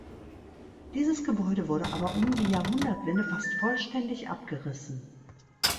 Dieses Gebäude wurde aber um die Jahrhundertwende fast vollständig abgerissen.